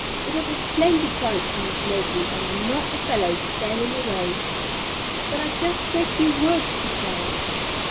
It is a splendid chance for you, Leslie, and I'm not the fellow to stand in your way." "But I just wish you would!" she cried.